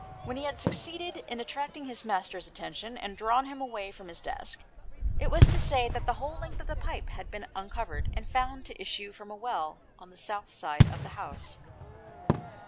When he had succeeded in attracting his master's attention, and drawn him away from his desk, it was to say that the 1S6 THE PLACE OF SAPETY. whole length of pipe had been uncovered, and found to issue from a well on the south side of the house.